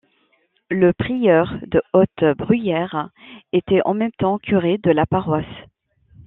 Le prieur de Haute-Bruyère était en même temps curé de la paroisse.